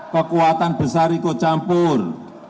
kekuatan besar ikut campur